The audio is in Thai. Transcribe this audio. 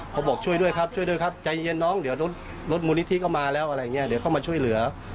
บอกช่วยด้วยครับช่วยด้วยครับใจเย็นน้องเดี๋ยวรถรถมูลนิธิก็มาแล้วอะไรอย่างนี้เดี๋ยวเข้ามาช่วยเหลือ